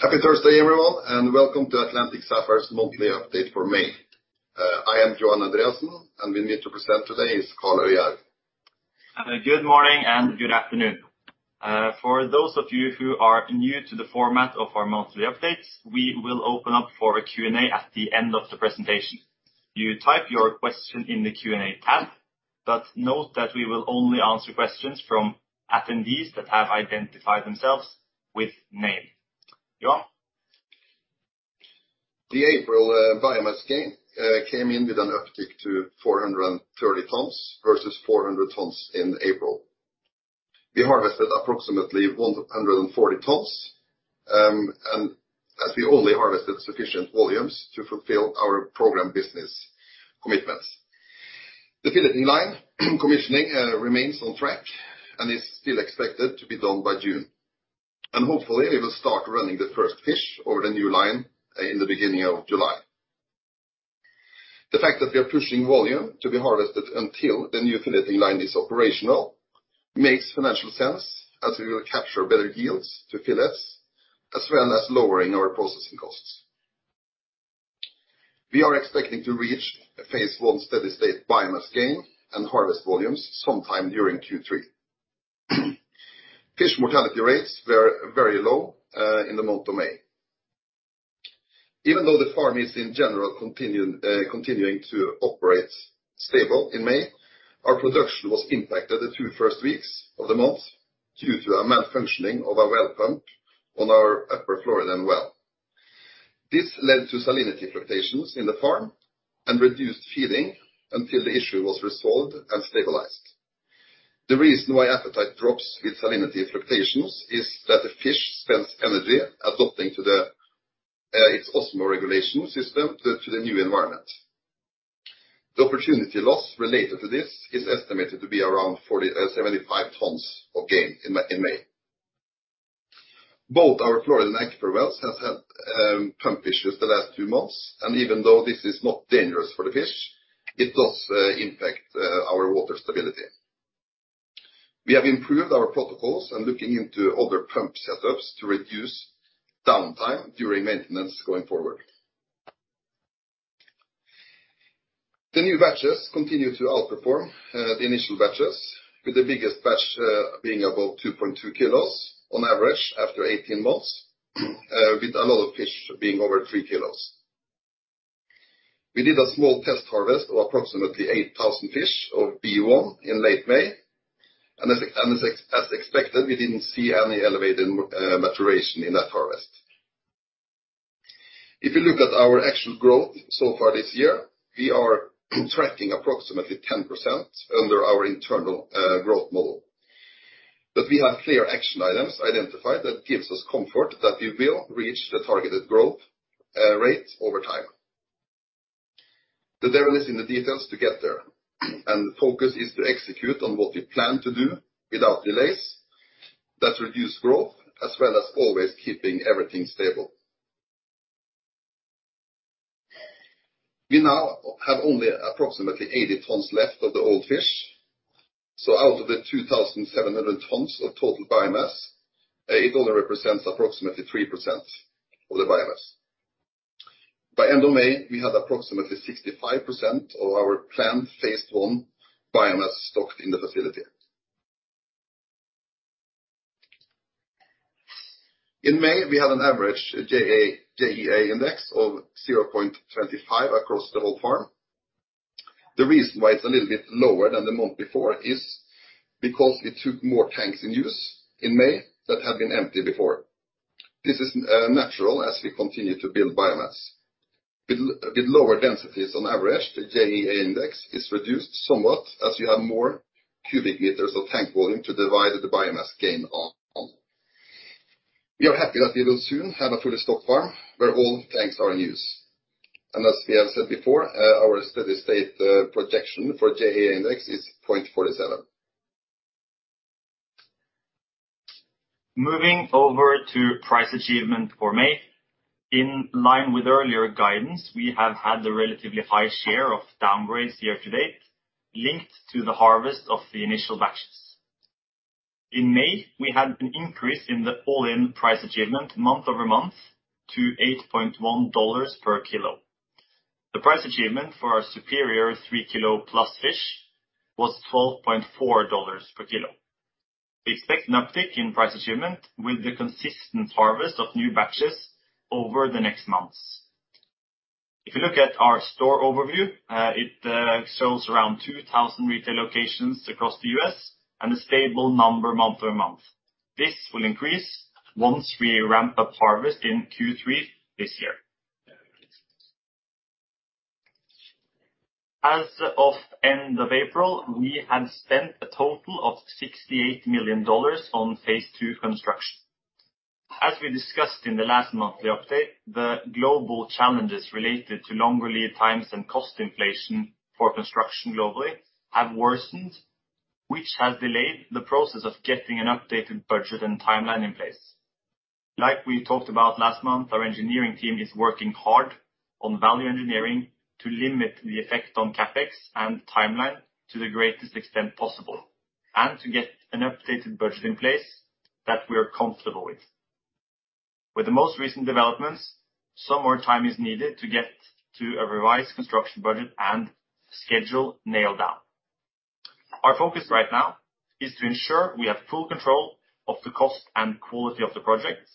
Happy Thursday, everyone, and welcome to Atlantic Sapphire's monthly update for May. I am Johan Andreassen, and with me to present today is Karl Øyehaug. Good morning and good afternoon. For those of you who are new to the format of our monthly updates, we will open up for a Q&A at the end of the presentation. You type your question in the Q&A tab, but note that we will only answer questions from attendees that have identified themselves with name. Johan. The April biomass gain came in with an uptick to 430 tons versus 400 tons in April. We harvested approximately 140 tons, and as we only harvested sufficient volumes to fulfill our program business commitments. The filleting line commissioning remains on track and is still expected to be done by June. Hopefully we will start running the first fish over the new line in the beginning of July. The fact that we are pushing volume to be harvested until the new filleting line is operational makes financial sense, as we will capture better yields to fillets, as well as lowering our processing costs. We are expecting to reach a phase I steady state biomass gain and harvest volumes sometime during Q3. Fish mortality rates were very low in the month of May. Even though the farm is in general continuing to operate stable in May, our production was impacted the two first weeks of the month due to a malfunctioning of a well pump on our upper Floridan well. This led to salinity fluctuations in the farm and reduced feeding until the issue was resolved and stabilized. The reason why appetite drops with salinity fluctuations is that the fish spends energy adopting to the its osmoregulation system to the new environment. The opportunity loss related to this is estimated to be around 40-75 tons of gain in May. Both our Floridan aquifer wells has had pump issues the last two months, and even though this is not dangerous for the fish, it does impact our water stability. We have improved our protocols and looking into other pump setups to reduce downtime during maintenance going forward. The new batches continue to outperform the initial batches, with the biggest batch being about 2.2 kilos on average after 18 months, with a lot of fish being over 3 kilos. We did a small test harvest of approximately 8,000 fish of B1 in late May, and as expected, we didn't see any elevated maturation in that harvest. If you look at our actual growth so far this year, we are tracking approximately 10% under our internal growth model. We have clear action items identified that gives us comfort that we will reach the targeted growth rate over time. The [devil] is in the details to get there, and the focus is to execute on what we plan to do without delays that reduce growth, as well as always keeping everything stable. We now have only approximately 80 tons left of the old fish. Out of the 2,700 tons of total biomass, it only represents approximately 3% of the biomass. By end of May, we had approximately 65% of our planned phase I biomass stocked in the facility. In May, we had an average JEA index of 0.25 across the whole farm. The reason why it's a little bit lower than the month before is because we took more tanks in use in May that had been empty before. This is natural as we continue to build biomass. With lower densities on average, the JEA index is reduced somewhat as you have more cubic meters of tank volume to divide the biomass gain on. We are happy that we will soon have a fully stocked farm where all tanks are in use. As we have said before, our steady-state projection for JEA index is 0.47. Moving over to price achievement for May. In line with earlier guidance, we have had a relatively high share of downgrades year to date linked to the harvest of the initial batches. In May, we had an increase in the all-in price achievement month-over-month to $8.1 per kilo. The price achievement for our superior 3 kilo plus fish was $4.4 per kilo. We expect an uptick in price achievement with the consistent harvest of new batches over the next months. If you look at our store overview, it shows around 2,000 retail locations across the U.S. and a stable number month-over-month. This will increase once we ramp up harvest in Q3 this year. As of end of April, we have spent a total of $68 million on phase II construction. As we discussed in the last monthly update, the global challenges related to longer lead times and cost inflation for construction globally have worsened, which has delayed the process of getting an updated budget and timeline in place. Like we talked about last month, our engineering team is working hard on value engineering to limit the effect on CapEx and timeline to the greatest extent possible. To get an updated budget in place that we are comfortable with. With the most recent developments, some more time is needed to get to a revised construction budget and schedule nailed down. Our focus right now is to ensure we have full control of the cost and quality of the project,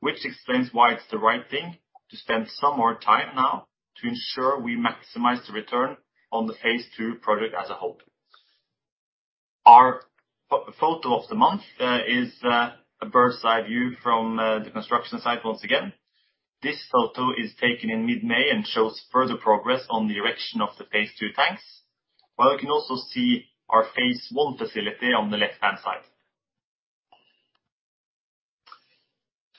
which explains why it's the right thing to spend some more time now to ensure we maximize the return on the phase II project as a whole. Our photo of the month is a bird's-eye view from the construction site once again. This photo is taken in mid-May and shows further progress on the erection of the phase II tanks, while you can also see our phase I facility on the left-hand side.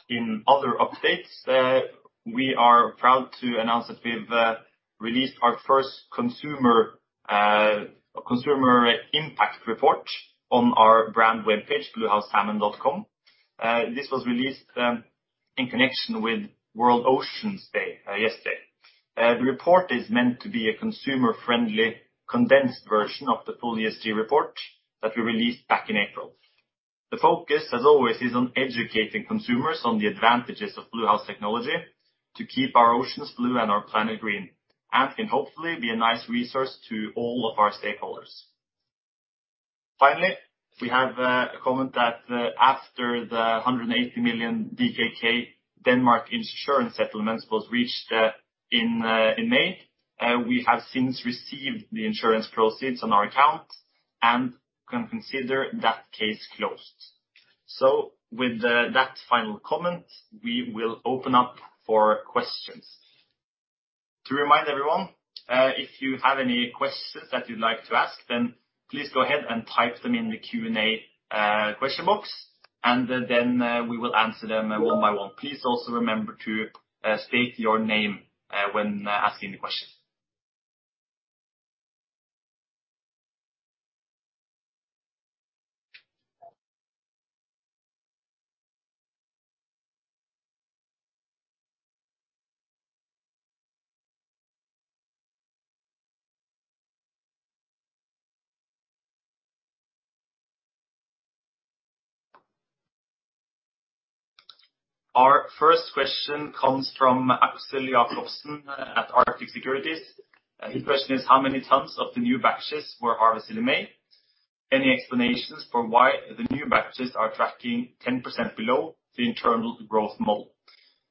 In other updates, we are proud to announce that we've released our first consumer impact report on our brand webpage, bluehousesalmon.com. This was released in connection with World Oceans Day yesterday. The report is meant to be a consumer-friendly, condensed version of the full ESG report that we released back in April. The focus, as always, is on educating consumers on the advantages of Bluehouse Salmon technology to keep our oceans blue and our planet green, and can hopefully be a nice resource to all of our stakeholders. Finally, we have a comment that after the 180 million DKK Denmark insurance settlement was reached in May, we have since received the insurance proceeds on our account and can consider that case closed. With that final comment, we will open up for questions. To remind everyone, if you have any questions that you'd like to ask, then please go ahead and type them in the Q&A question box, and then we will answer them one by one. Please also remember to state your name when asking the questions. Our first question comes from Axel Jacobsen at Arctic Securities. His question is, how many tons of the new batches were harvested in May? Any explanations for why the new batches are tracking 10% below the internal growth model?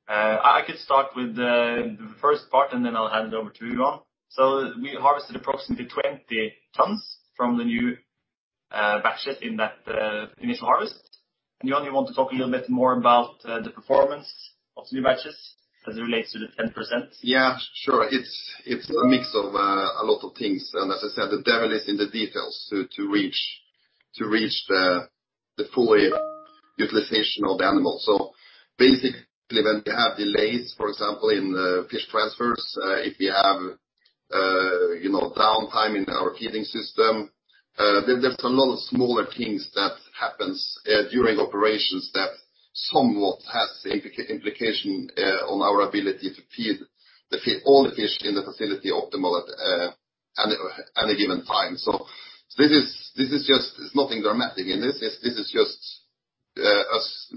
I could start with the first part, and then I'll hand it over to Johan. We harvested approximately 20 tons from the new batches in that initial harvest. Johan, you want to talk a little bit more about the performance of the new batches as it relates to the 10%? Yeah, sure. It's a mix of a lot of things. As I said, the devil is in the details to reach the full utilization of the animal. Basically, when we have delays, for example, in the fish transfers, if we have downtime in our heating system, there's a lot of smaller things that happens during operations that somewhat has implication on our ability to feed all the fish in the facility optimal at any given time. This is just. It's nothing dramatic. This is just us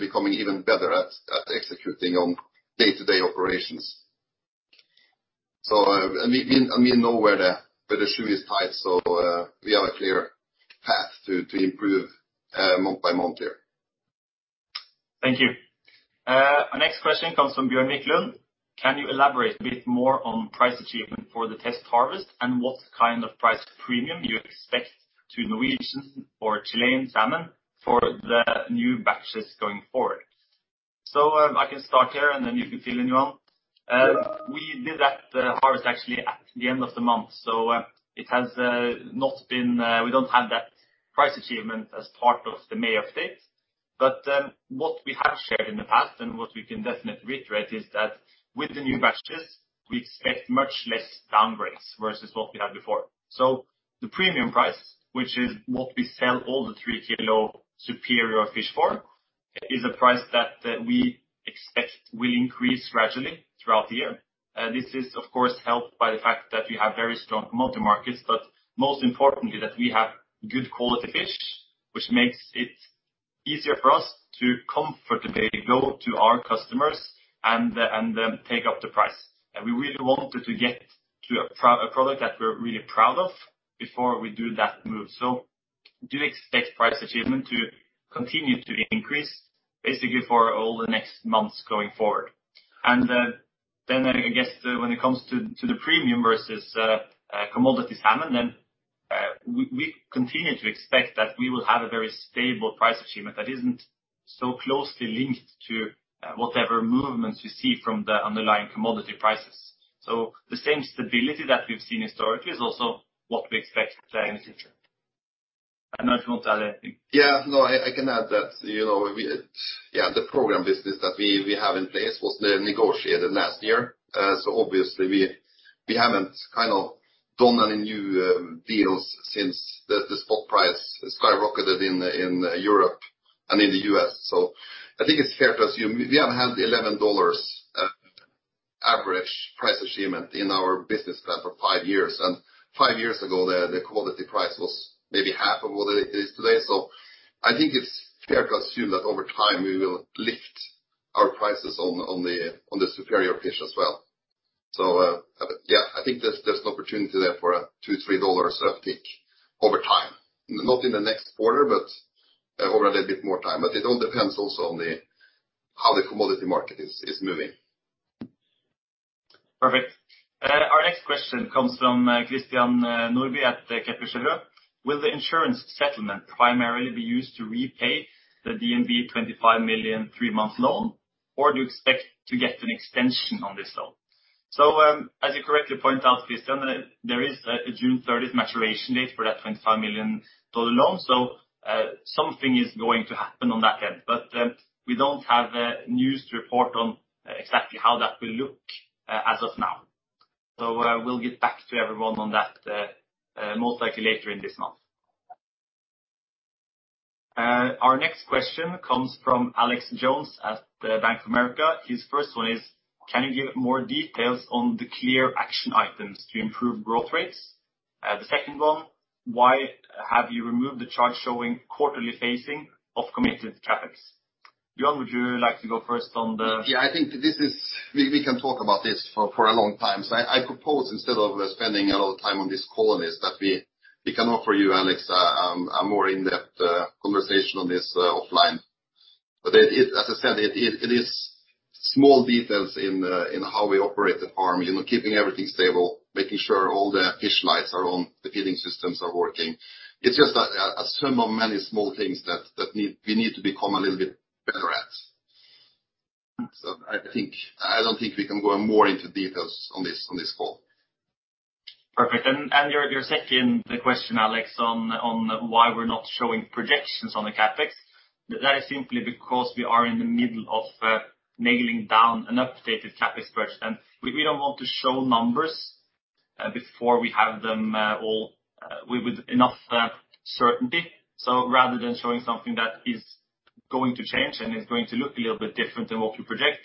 becoming even better at executing on day-to-day operations. We know where the shoe is tight. We have a clear path to improve month by month here. Thank you. Our next question comes from Bjørn Mykland. Can you elaborate a bit more on price achievement for the test harvest and what kind of price premium you expect to Norwegian or Chilean salmon for the new batches going forward? I can start here and then you can fill in, Johan. We did that harvest actually at the end of the month, so it has not been. We don't have that price achievement as part of the May update. What we have shared in the past, and what we can definitely reiterate is that with the new batches, we expect much less downgrades versus what we had before. The premium price, which is what we sell all the 3-kilo superior fish for, is a price that we expect will increase gradually throughout the year. This is of course helped by the fact that we have very strong multi-markets, but most importantly, that we have good quality fish, which makes it easier for us to comfortably go to our customers and take up the price. We really wanted to get to a product that we're really proud of before we do that move. Do we expect price achievement to continue to increase basically for all the next months going forward. Then I guess when it comes to the premium versus commodity salmon, we continue to expect that we will have a very stable price achievement that isn't so closely linked to whatever movements we see from the underlying commodity prices. The same stability that we've seen historically is also what we expect in the future. I don't know if you want to add anything. I can add that, you know, the program business that we have in place was negotiated last year. Obviously we haven't kind of done any new deals since the spot price skyrocketed in Europe and in the U.S. I think it's fair to assume we haven't had $11 average price achievement in our business plan for five years and five years ago, the commodity price was maybe half of what it is today. I think it's fair to assume that over time we will lift our prices on the superior fish as well. Yeah, I think there's an opportunity there for $2-$3 of tick over time. Not in the next quarter, but over a little bit more time. It all depends also on how the commodity market is moving. Perfect. Our next question comes from Christian Olsen Nordby at Arctic Securities. Will the insurance settlement primarily be used to repay the DNB $25 million three-month loan, or do you expect to get an extension on this loan? As you correctly point out, Christian, there is a June 30TH maturity date for that $25 million loan. Something is going to happen on that end, but we don't have any news to report on exactly how that will look as of now. We'll get back to everyone on that most likely later in this month. Our next question comes from Alex Jones at the Bank of America. His first one is. Can you give more details on the clear action items to improve growth rates? The second one: Why have you removed the chart showing quarterly phasing of committed CapEx? Johan, would you like to go first on the- Yeah, I think we can talk about this for a long time. I propose instead of spending a lot of time on this call is that we can offer you, Alex, a more in-depth conversation on this offline. As I said, it is small details in how we operate the farm, you know, keeping everything stable, making sure all the fish lights are on, the feeding systems are working. It is just a sum of many small things that we need to become a little bit better at. I don't think we can go into more details on this call. Perfect. Your second question, Alex, on why we're not showing projections on the CapEx. That is simply because we are in the middle of nailing down an updated CapEx stretch, and we don't want to show numbers before we have them all with enough certainty. Rather than showing something that is going to change and is going to look a little bit different than what we project,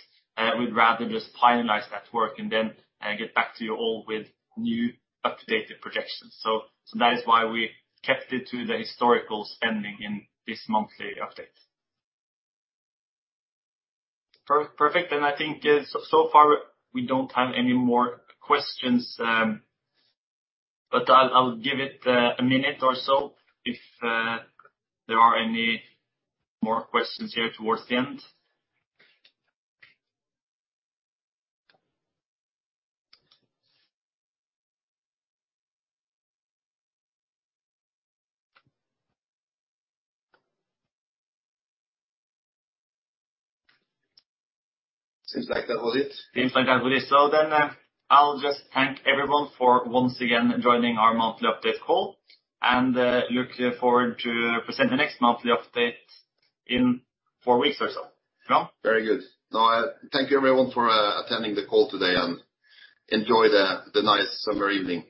we'd rather just finalize that work and then get back to you all with new updated projections. That is why we kept it to the historical spending in this monthly update. Perfect. I think so far we don't have any more questions. I'll give it a minute or so if there are any more questions here towards the end. Seems like that was it. Seems like that was it. I'll just thank everyone for once again joining our monthly update call, and look forward to present the next monthly update in four weeks or so. Johan. Very good. No, thank you everyone for attending the call today, and enjoy the nice summer evening.